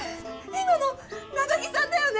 今のなだぎさんだよね